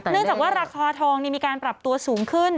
เนื่องจากว่าราคาทองนี่มีการปรับตัวสูงขึ้น